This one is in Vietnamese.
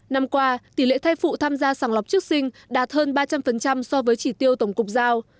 năm qua tỷ lệ thai phụ tham gia sàng lọc trước sinh đạt hơn ba trăm linh so với chỉ tiêu tổng cục giao